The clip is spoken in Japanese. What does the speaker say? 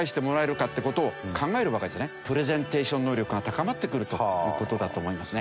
プレゼンテーション能力が高まってくるという事だと思いますね。